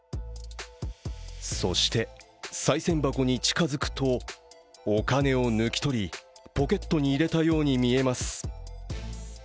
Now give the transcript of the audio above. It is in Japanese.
そして、さい銭箱に近付くとお金を抜き取りポケットに入れたように見えます。